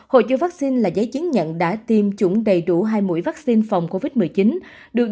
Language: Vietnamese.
hộ chiếu vaccine là giấy chứng nhận đã tiêm chủng đầy đủ hai mũi vaccine phòng covid một mươi chín